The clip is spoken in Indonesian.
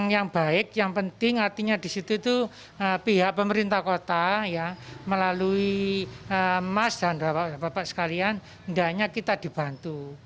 yang baik yang penting artinya di situ itu pihak pemerintah kota melalui mas dan bapak sekalian hendaknya kita dibantu